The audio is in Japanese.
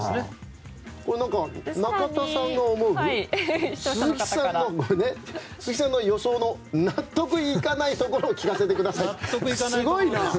中田さんに鈴木さんの予想の納得いかないところを聞かせてくださいと。